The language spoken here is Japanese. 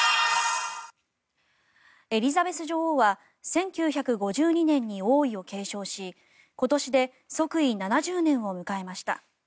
エリザベス女王は１９５２年に王位を継承し今年で即位７０年を迎えました。